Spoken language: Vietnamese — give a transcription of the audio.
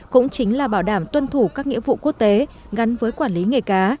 cũng chính là bảo đảm tuân thủ các nghĩa vụ quốc tế gắn với quản lý nghề cá